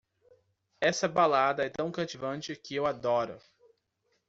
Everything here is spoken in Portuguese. Essa balada é tão cativante que eu adoro!